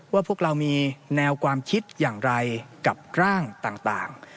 พวกเรามีแนวความคิดอย่างไรกับร่างต่าง